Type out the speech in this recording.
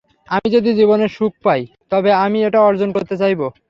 আমি যদি জীবনে সুযোগ পাই তবে, আমি এটা অর্জন করতে চাইব।